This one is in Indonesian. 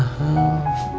dikasih kasur mahal